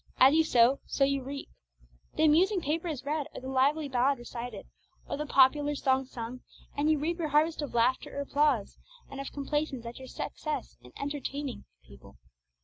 As you sow, so you reap. The amusing paper is read, or the lively ballad recited, or the popular song sung, and you reap your harvest of laughter or applause, and of complacence at your success in 'entertaining' the people.